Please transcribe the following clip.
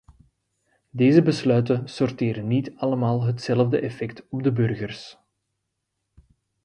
Deze besluiten sorteren niet allemaal hetzelfde effect op de burgers.